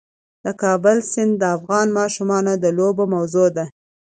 د کابل سیند د افغان ماشومانو د لوبو موضوع ده.